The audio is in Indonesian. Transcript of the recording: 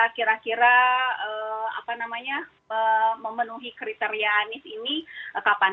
kira kira apa namanya memenuhi kriteria anies ini kapan